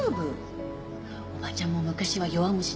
おばちゃんも昔は弱虫でね。